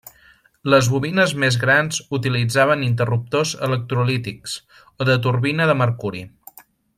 Les bobines més grans utilitzaven interruptors electrolítics o de turbina de mercuri.